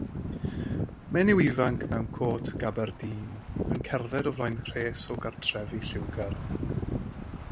Menyw ifanc mewn côt gabardîn yn cerdded o flaen rhes o gartrefi lliwgar.